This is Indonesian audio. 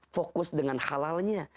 fokus dengan halalnya